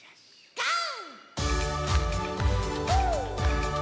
ゴー！